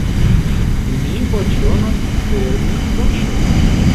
Mi voĉdonos per mia poŝo.